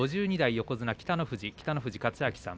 横綱の北の富士北の富士勝昭さん。